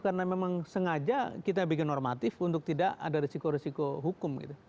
karena memang sengaja kita bikin normatif untuk tidak ada risiko risiko hukum gitu